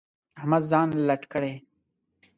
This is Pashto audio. احمد ځان لټ کړی.